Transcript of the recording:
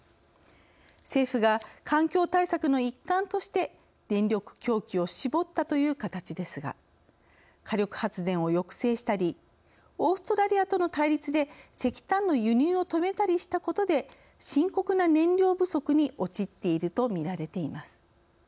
政府が環境対策の一環として電力供給を絞ったという形ですが火力発電を抑制したりオーストラリアとの対立で石炭の輸入を止めたりしたことで深刻な燃料不足に陥っているとみられています。